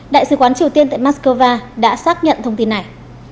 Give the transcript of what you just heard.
đại sứ quán triều tiên tại moscow đã xác nhận thông tin này